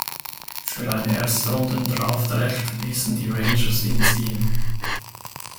Für ein Erstrunden-Draftrecht ließen die Rangers ihn ziehen.